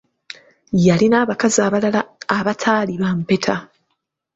Yalina abakazi abalala abataali ba mpeta!